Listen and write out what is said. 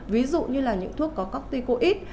ví dụ như là những thuốc có corticoid